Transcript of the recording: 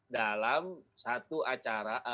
dalam satu acara